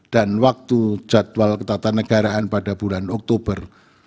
dan waktu jadwal ketatanegaraan pada bulan oktober